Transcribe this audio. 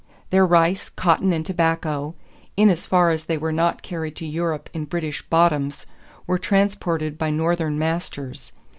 Their rice, cotton, and tobacco, in as far as they were not carried to Europe in British bottoms, were transported by Northern masters.